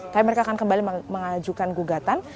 tapi mereka akan kembali mengajukan gugatan